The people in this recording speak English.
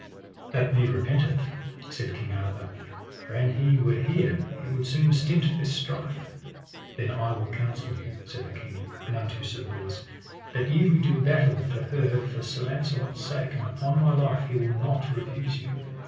That me repenteth, said King Arthur, for an he were here he would soon stint this strife. Then I will counsel you, said the king, and unto Sir Bors: That ye will do battle for her for Sir Launcelot's sake, and upon my life he will not refuse you.